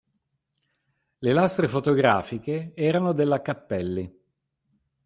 Le lastre fotografiche erano della Cappelli.